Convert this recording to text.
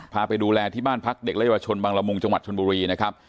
ไปดูแลที่บ้านพักเด็กและเยาวชนบางละมุงจังหวัดชนบุรีนะครับ